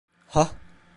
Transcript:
Hah?